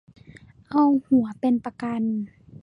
เอาหัวเป็นประกัน